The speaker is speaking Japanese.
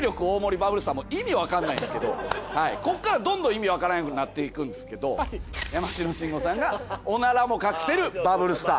バブルスターも意味わかんないんですけどはいこっからどんどん意味わからんようになっていくんですけど山城新伍さんが「おならも隠せるバブルスター」。